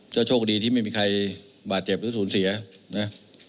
ก็โชคดีที่ไม่มีใครบาดเจ็บหรือศูนย์เสียนะ